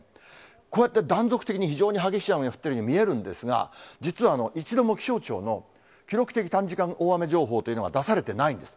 こうやって断続的に非常に激しい雨が降っているように見えるんですが、実は一度も気象庁の記録的短時間大雨情報というのが出されてないんです。